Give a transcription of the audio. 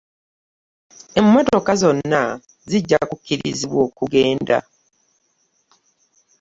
Emmotoka zonna zijja kukkirizibwa okugenda.